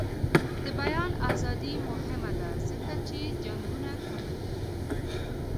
د بیان ازادي مهمه ده ځکه چې جنګونه کموي.